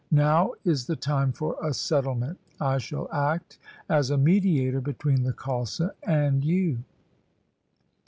Now is the time for a settlement. I shall act as a mediator between the Khalsa and you.